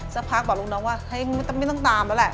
สักพักบอกลูกน้องว่าเฮ้ยไม่ต้องตามแล้วแหละ